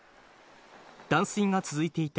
断水が続いていた